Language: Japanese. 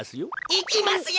いきますよ！